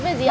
dạ vâng ạ